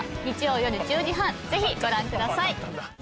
日曜夜１０時半ぜひご覧ください。